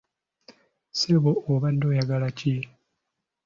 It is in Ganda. Ssebo obadde oyagala ki?